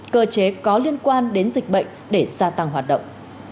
cơ chế có liên quan đến dịch bệnh để gia tăng hoạt động